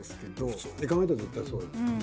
普通に考えたら絶対そうよね。